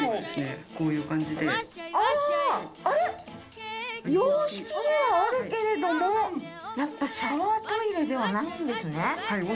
あれっ洋式ではあるけれどもやっぱシャワートイレではないんですね。